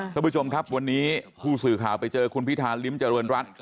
ท่านผู้ชมครับวันนี้ผู้สื่อข่าวไปเจอคุณพิธาริมเจริญรัฐ